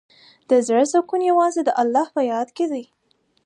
د زړۀ سکون یوازې د الله په یاد کې دی.